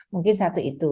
mungkin satu itu